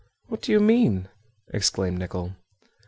"What do you mean?" exclaimed Nicholl.